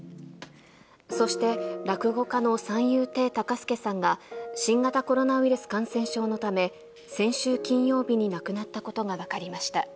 そして、落語家の三遊亭多歌介さんが、新型コロナウイルス感染症のため、先週金曜日に亡くなったことが分かりました。